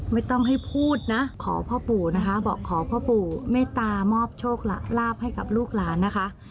ไม่ต้องให้พูดนะขอพ่อปู่นะคะบอกขอพ่อปู่เมตตามอบโชคลาภให้กับลูกหลานนะคะ